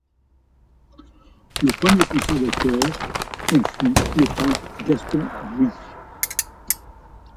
Le premier conservateur en fut le peintre Gaston Bouy.